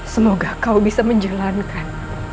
semoga kau bisa menjalankan